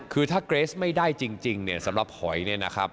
คือถ้าเกรดไม่ได้จริงสำหรับหอยนี่นะครับ